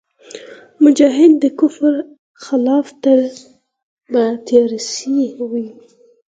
مجاهد د کفر خلاف تل په تیارسئ وي.